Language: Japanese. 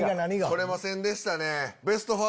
獲れませんでしたね。